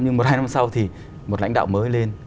nhưng một hai năm sau thì một lãnh đạo mới lên